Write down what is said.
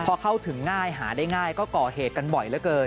พอเข้าถึงง่ายหาได้ง่ายก็ก่อเหตุกันบ่อยเหลือเกิน